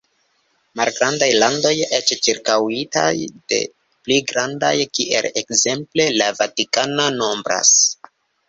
Malgrandaj landoj, eĉ ĉirkaŭitaj de pli grandaj, kiel ekzemple la Vatikano, nombras.